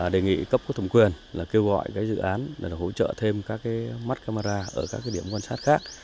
đề nghị cấp quốc thống quyền là kêu gọi dự án hỗ trợ thêm các mắt camera ở các điểm quan sát khác